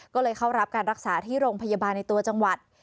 ก็เลยเข้ารับการรักษาที่โรงพยาบาลในตัวจังหวัด